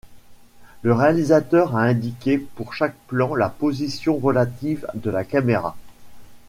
Le réalisateur a indiqué pour chaque plan la position relative de la caméra.